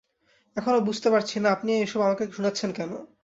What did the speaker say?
এখনো বুঝতে পারছি না, আপনি এসব আমাকে শুনাচ্ছেন কেন।